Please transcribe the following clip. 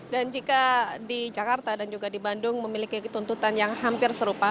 dan jika di jakarta dan juga di bandung memiliki tuntutan yang hampir serupa